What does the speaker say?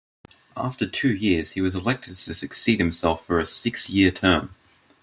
After two years he was elected to succeed himself for a six-year term.